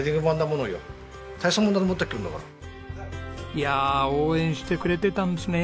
いや応援してくれてたんですね。